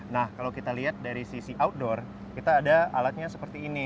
nah kalau kita lihat dari sisi outdoor kita ada alatnya seperti ini